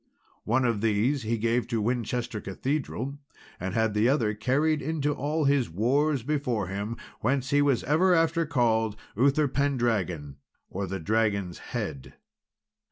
One of these he gave to Winchester Cathedral, and had the other carried into all his wars before him, whence he was ever after called Uther Pendragon, or the dragon's head.